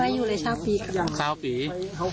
ไม่อยู่เลยชาวปีครับ